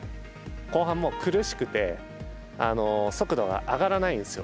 後半、もう苦しくて速度が上がらないんですよ。